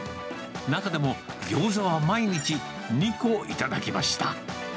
中でも、ギョーザは毎日、２個頂きました。